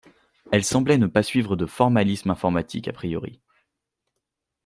Elle semblait ne pas suivre de formalisme informatique a priori.